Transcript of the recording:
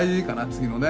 次のね